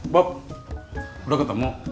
bob udah ketemu